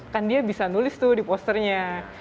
kan dia bisa nulis tuh di posternya